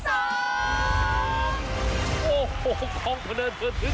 โอ้โฮคล้องเผนินเผนิน